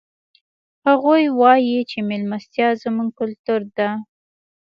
هغوی وایي چې مېلمستیا زموږ کلتور ده